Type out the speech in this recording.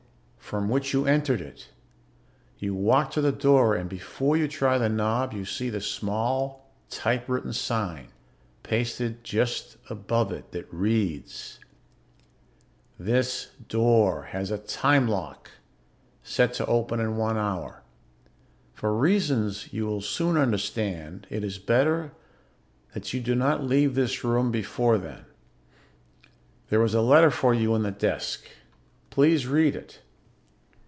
from which you entered it. You walk to the door and before you try the knob, you see the small typewritten sign pasted just above it that reads: This door has a time lock set to open in one hour. For reasons you will soon understand, it is better that you do not leave this room before then. There is a letter for you on the desk. Please read it.